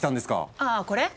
ああこれ？